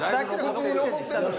口に残ってるのよ